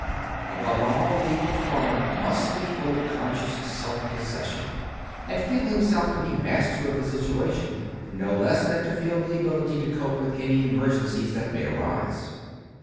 Above all, the performer must be full of conscious self possession, and feel himself to be master of the situation, no less than to feel the ability to cope with any emergencies that may arise.